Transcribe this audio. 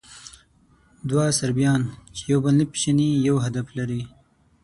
دوه صربیان، چې یو بل نه پېژني، یو هدف لري.